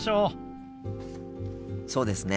そうですね。